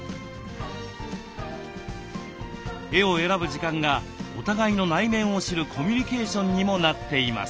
絵を選ぶ時間がお互いの内面を知るコミュニケーションにもなっています。